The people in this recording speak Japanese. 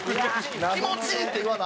「気持ち！」って言わな。